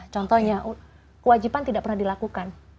contohnya kewajiban tidak pernah dilakukan